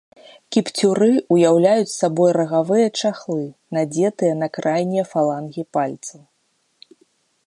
Кіпцюры ўяўляюць сабой рагавыя чахлы, надзетыя на крайнія фалангі пальцаў.